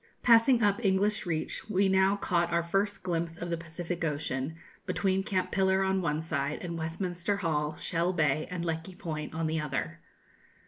Passing up English Reach, we now caught our first glimpse of the Pacific Ocean, between Cape Pillar on one side, and Westminster Hall, Shell Bay, and Lecky Point, on the other.